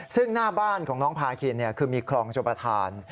ซึ่งหน้าบ้านของน้องพาคินคือมีคลองชมประธาน